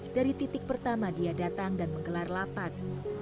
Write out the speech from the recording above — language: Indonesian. dari titik pertama dia datang dan menggelar lapak